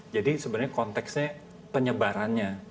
jadi sebenarnya konteksnya penyebarannya